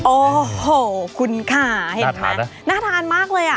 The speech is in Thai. โอ้โหคุณค่ะเห็นไหมน่าทานมากเลยอ่ะ